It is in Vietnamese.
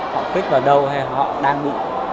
họ click vào đâu hay họ đang bị